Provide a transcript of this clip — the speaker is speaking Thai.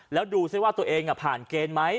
แล้วดูซิว่าตัวเองผ่านเกณฑ์ไหม